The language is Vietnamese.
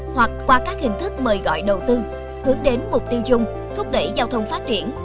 hoặc qua các hình thức mời gọi đầu tư hướng đến mục tiêu dung thúc đẩy giao thông phát triển